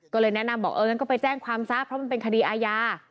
ก็เลยแนะนำบอกเอองั้นก็ไปแจ้งความซะเพราะมันเป็นคดีอาญา